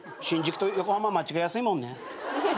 新宿と横浜間違えやすいもんね。